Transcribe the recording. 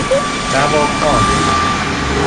نواخوان